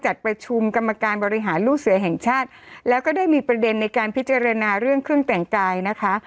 จัดประชุมกรรมการบริหารลูกเสือแห่งชาติแล้วก็ได้มีประเด็นในการพิจารณาเรื่องเครื่องแต่งกายนะคะ